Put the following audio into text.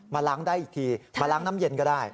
ล้างได้อีกทีมาล้างน้ำเย็นก็ได้